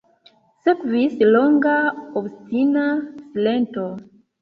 Sekvis longa, obstina silento.